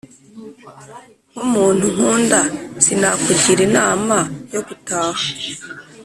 nk’umuntu nkunda sinakugira inama yo gutaha,